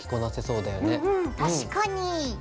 うんうん確かに。